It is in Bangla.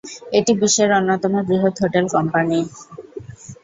এটি বিশ্বের অন্যতম বৃহৎ হোটেল কোম্পানি।